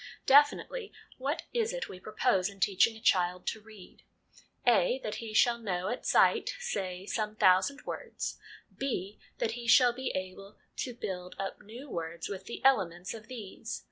Definitely, what is it we propose in teaching a child to read ? (a) that he shall know at sight, say, some thousand words ; (b) That he shall be able to build up new words with the elements of these.